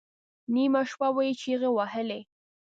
نیمه شپه به یې چیغې وهلې.